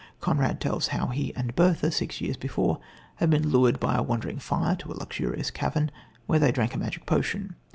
Conrad tells how he and Bertha, six years before, had been lured by a wandering fire to a luxurious cavern, where they drank a magic potion.